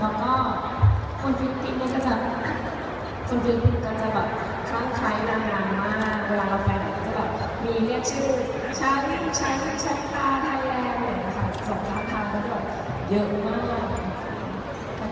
แล้วก็คนคิดกินก็จะจับคนคิดกินก็จะแบบช่องไคร้ดังมากเวลาเราไปแล้วก็จะแบบมีเรียกชื่อชายคุณชายคุณชายคุณชายคุณชายคุณว่าไทยแล้วนะคะสมทางงั้นแบบเยอะมาก